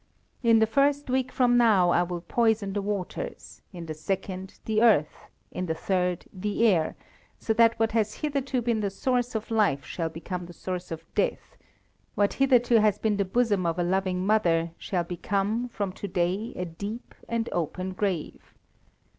In the first week from now I will poison the waters; in the second, the earth; in the third, the air, so that what has hitherto been the source of life shall become the source of death; what hitherto has been the bosom of a loving mother, shall become, from to day, a deep and open grave.